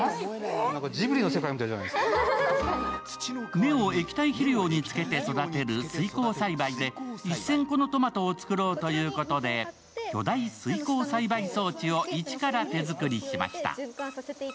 根を液体肥料につけて育てる水耕栽培で１０００個のトマトを作ろうということで巨大水耕栽培装置を一から手作りしました。